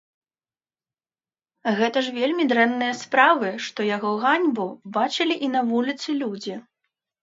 Гэта ж вельмі дрэнныя справы, што яго ганьбу бачылі і на вуліцы людзі.